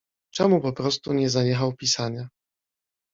"Czemu poprostu nie zaniechał pisania?"